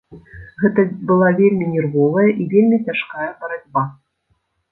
Гэта была вельмі нервовая і вельмі цяжкая барацьба.